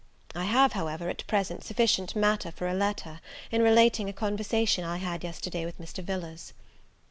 I have, however, at present, sufficient matter for a letter, in relating a conversation I had yesterday with Mr. Villars.